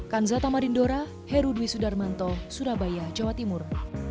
kan zatamarindora herudwi sudarmanto surabaya jawa timur